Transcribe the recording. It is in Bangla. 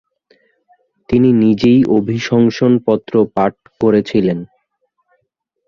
তিনি নিজেই অভিশংসন পত্র পাঠ করেছিলেন।